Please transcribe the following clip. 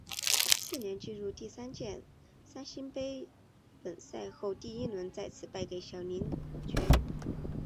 次年进入第三届三星杯本赛后第一轮再次败给小林觉。